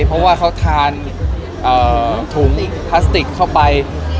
เพราะว่าเขาทานถุงพลาสติกเข้าไป